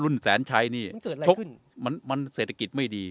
ลุ่นแสนชัยนี่มันเกิดอะไรขึ้นมันเศรษฐกิจไม่ดี